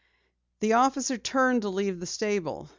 The officer turned to leave the stable.